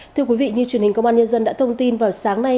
thưa quý vị như truyền hình công an nhân dân đã thông tin vào sáng nay